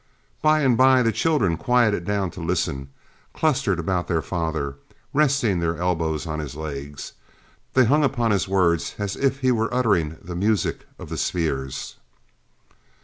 Bye and bye the children quieted down to listen; clustered about their father, and resting their elbows on his legs, they hung upon his words as if he were uttering the music of the spheres.